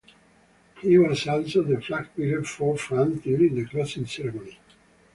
He was also the flag bearer for France during the closing ceremony.